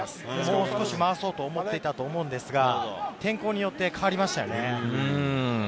もう少し回そうと思っていたと思いますが天候によって変わりましたよね。